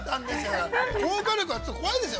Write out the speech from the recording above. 高火力が怖いんですよ。